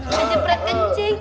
eh kaceprot kencing